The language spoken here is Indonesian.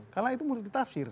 karena itu mesti ditafsir